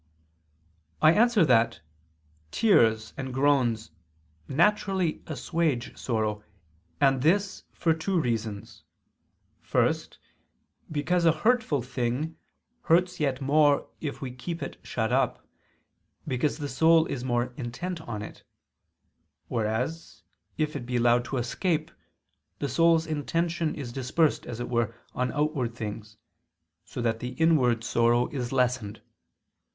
I answer that, Tears and groans naturally assuage sorrow: and this for two reasons. First, because a hurtful thing hurts yet more if we keep it shut up, because the soul is more intent on it: whereas if it be allowed to escape, the soul's intention is dispersed as it were on outward things, so that the inward sorrow is lessened.